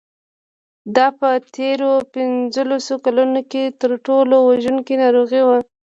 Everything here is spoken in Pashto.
دا په تېرو پنځلسو کلونو کې تر ټولو وژونکې ناروغي وه.